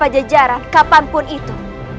kita mulai berbau